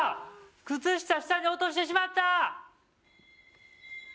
靴下下に落としてしまった！